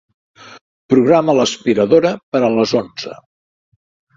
Programa l'aspiradora per a les onze.